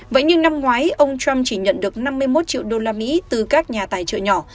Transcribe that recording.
vậy nhưng năm ngoái ông trump chỉ nhận được năm mươi một triệu usd từ các nhà tài trợ nhỏ